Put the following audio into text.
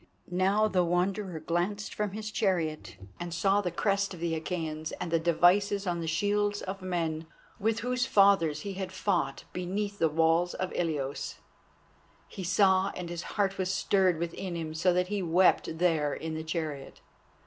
Now the Wanderer glanced from his chariot and saw the crests of the Achæans and the devices on the shields of men with whose fathers he had fought beneath the walls of Ilios. He saw and his heart was stirred within him, so that he wept there in the chariot.